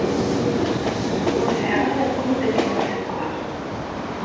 Ur sɛiɣ ara akud akken ad ssewweɣ.